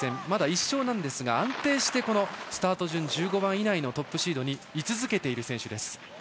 まだ１勝ですが、安定してスタート順１５番以内のトップシードにい続けている選手。